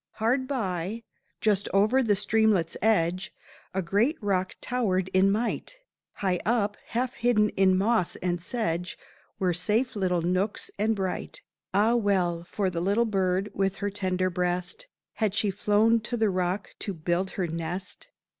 Hard by, just over the streamlet's edge A great rock towered in might, High up, half hidden in moss and sedge, Were safe little nooks and bright; Ah well for the bird with her tender breast, Had she flown to the rock to build her nest!